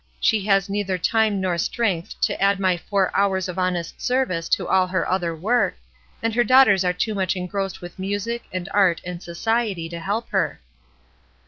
She has neither time nor strength to add my four hours of honest service to all her other work, and her daughters are too much engrossed with music and art and society to help her.